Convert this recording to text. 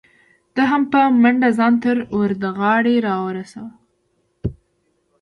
ده هم په منډه ځان تر وردغاړې را ورسو.